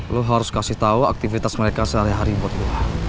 lo harus kasih tahu aktivitas mereka sehari hari buat lo